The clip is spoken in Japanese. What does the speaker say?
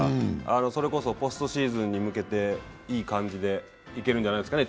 それこそポストシーズンに向けていい感じでいけるんじゃないですかね。